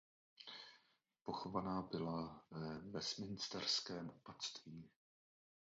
Pochována byla ve Westminsterském opatství.